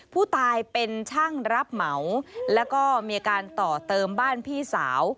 ผู้ตายเป็นช่างรับเหมาแล้วก็มีการต่อเติมบ้านพี่สาว